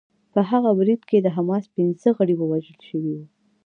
په هغه برید کې د حماس پنځه غړي وژل شوي وو